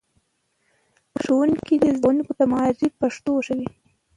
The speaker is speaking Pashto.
ښوونکي دې زدهکوونکو ته معیاري پښتو وښيي.